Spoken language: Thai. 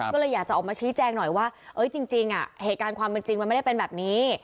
ก็เลยอยากจะออกมาชี้แจงหน่อยว่าจริงเหตุการณ์ความเป็นจริงมันไม่ได้เป็นแบบนี้